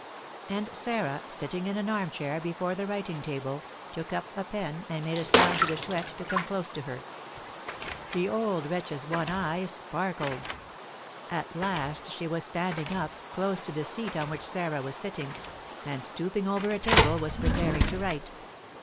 And Sarah, sitting in an armchair before the writing table, took up a pen, and made a sign to the Chouette to come close to her. The old wretch's one eye sparkled. At last she was standing up, close to the seat on which Sarah was sitting, and, stooping over a table, was preparing to write.